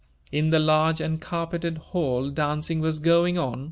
In the large, uncarpeted hall, dancing was going on.